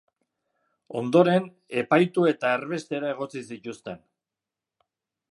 Ondoren, epaitu eta erbestera egotzi zituzten.